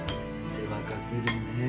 世話かけるねえ。